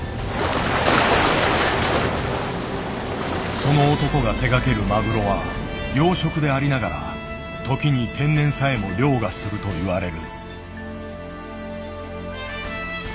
その男が手がけるマグロは養殖でありながら時に天然さえも凌駕するといわれる。